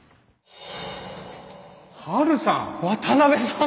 ハルさん。